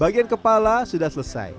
bagian kepala sudah selesai